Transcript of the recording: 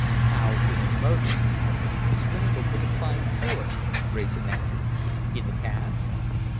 "How was he murdered?" "Strangled with a fine cord," Wrayson answered. "In the cab?"